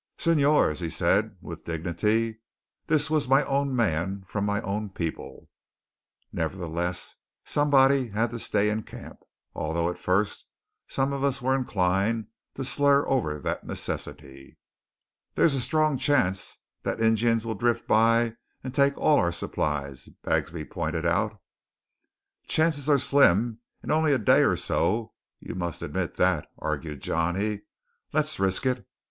"Señores," he said with dignity, "this was my own man from my own people." Nevertheless somebody had to stay in camp, although at first some of us were inclined to slur over that necessity. "There's a strong chance that Injuns will drift by and take all our supplies," Bagsby pointed out. "Chances are slim in only a day or so; you must admit that," argued Johnny. "Let's risk it.